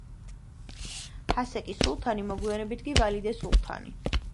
ჰასეკი სულთანი, მოგვიანებით კი ვალიდე სულთანი.